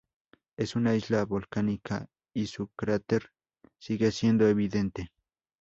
Es una isla volcánica y su cráter sigue siendo evidente.